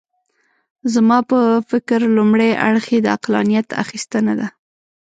زما په فکر لومړی اړخ یې د عقلانیت اخیستنه ده.